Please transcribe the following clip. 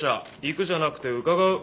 行くじゃなくて「伺う」。